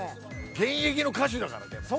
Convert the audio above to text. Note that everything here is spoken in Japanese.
現役の歌手だからでも。